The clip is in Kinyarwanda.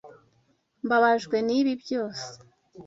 Mbabajwe nibi byose.